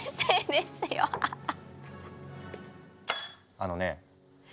あのねえ。